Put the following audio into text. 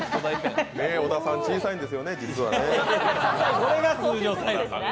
小田さん、小さいんですよね、実はね。